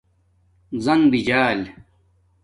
زݣ بجال